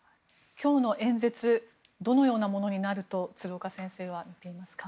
今日の演説どのようなものになると先生はお考えですか？